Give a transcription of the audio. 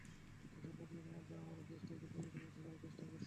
এসব প্রতিরোধের মাধ্যমে আমরা দেশ থেকে দুর্নীতি মুছে ফেলার চেষ্টা করছি।